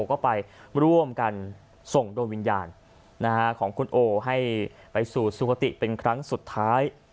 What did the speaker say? ก็ไปร่วมกันส่งดวงวิญญาณของคุณโอให้ไปสู่สุขติเป็นครั้งสุดท้าย